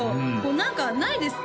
何かないですか？